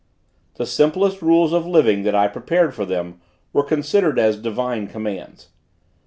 The simplest rules of living that I prepared for them were considered as divine commands.